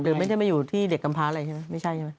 หรือไม่ได้มาอยู่ที่เด็กกำพาอะไรใช่ไหม